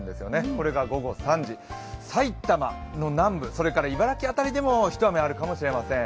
これが午後３時、埼玉南部それから茨城辺りでもひと雨あるかもしれません。